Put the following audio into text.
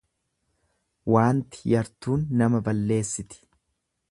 Waanti yartuun nama balleessiti.